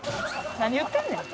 何言ってんねん。